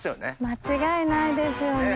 間違いないですよね。